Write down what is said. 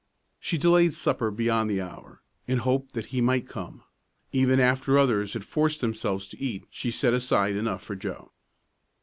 She delayed supper beyond the hour, in the hope that he might come. Even after the others had forced themselves to eat, she set aside enough for Joe.